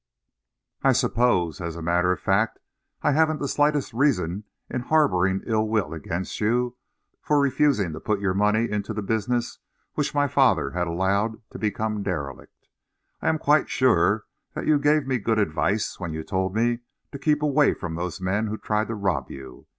I suppose, as a matter of fact, I haven't the slightest reason in harbouring ill will against you for refusing to put your money into the business which my father had allowed to become derelict. I am quite sure that you gave me good advice when you told me to keep away from those men who tried to rob you.